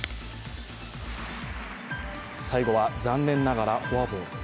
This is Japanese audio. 最後は残念ながらフォアボール。